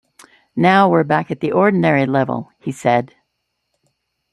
“Now we’re back at the ordinary level,” he said.